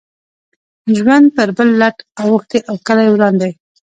ژوند پر بل لټ اوښتی او کلی وران دی.